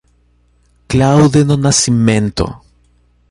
Claude do Nascimento